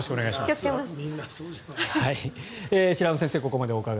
気をつけます。